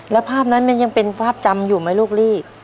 แล้วภาพนั้นมันยังเป็นภาพจำอยู่ไหมลูกลี่